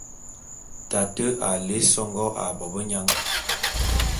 Tate a lé songó ā bobenyang.